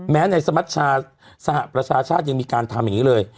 ในสมัชชาสหประชาชาติยังมีการทำอย่างนี้เลย